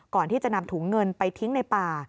ก่อนที่จะนำถุงเงินไปทิ้งในป่า